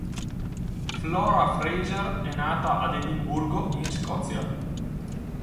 Flora Fraser è nata ad Edimburgo in Scozia.